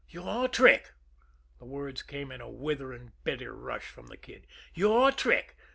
"Your trick!" The words came in a withering, bitter rush from the Kid. "Your trick!